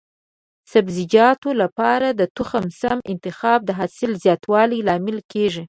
د سبزیجاتو لپاره د تخم سم انتخاب د حاصل زیاتوالي لامل کېږي.